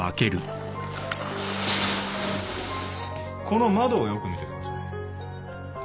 この窓をよく見てください。